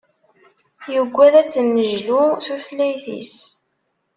Yuggad ad tennejlu tutlayt-is.